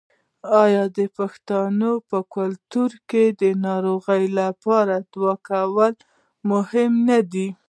آیا د پښتنو په کلتور کې د ناروغ لپاره دعا کول مهم نه دي؟